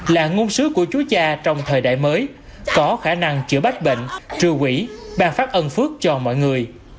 là ngôn sứ của chú cha trong thời đại mới có khả năng chữa bách bệnh trừ quỹ bàn phát ân phước cho mọi người